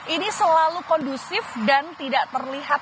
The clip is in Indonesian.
ini selalu kondusif dan tidak terlihat